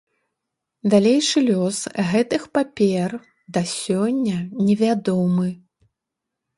Далейшы лёс гэтых папер, да сёння невядомы.